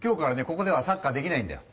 ここではサッカーできないんだよ。